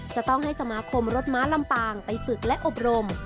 จะต้องให้สมาคมรถม้าลำปางไปฝึกและอบรม